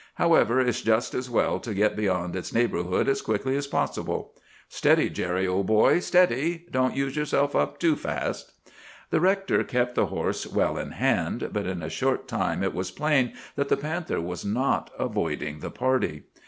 However, it's just as well to get beyond its neighborhood as quickly as possible. Steady, Jerry, old boy! Steady; don't use yourself up too fast!' "The rector kept the horse well in hand; but in a short time it was plain that the panther was not avoiding the party.